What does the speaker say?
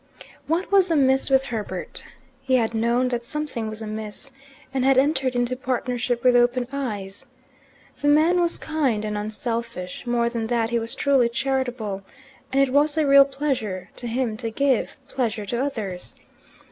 What was amiss with Herbert? He had known that something was amiss, and had entered into partnership with open eyes. The man was kind and unselfish; more than that he was truly charitable, and it was a real pleasure to him to give pleasure to others.